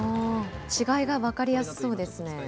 違いが分かりやすそうですね。